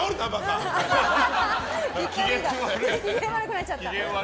機嫌悪くなっちゃった。